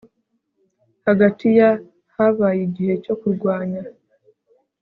hagati ya - habaye igihe cyo kurwanya